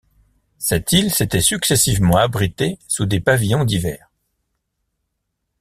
Cette île s’était successivement abritée sous des pavillons divers.